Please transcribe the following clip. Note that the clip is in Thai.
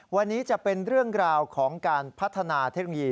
วันนี้จะเป็นเรื่องราวของการพัฒนาเทคโนโลยี